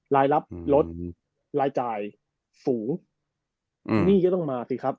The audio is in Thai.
รายรับลดรายจ่ายสูงหนี้ก็ต้องมาสิครับ